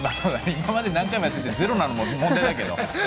今まで何回もやっててゼロなのも問題だけど。